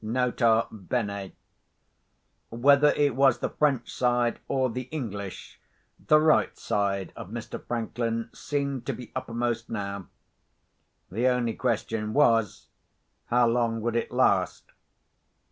(Nota bene: Whether it was the French side or the English, the right side of Mr. Franklin seemed to be uppermost now. The only question was, How long would it last?)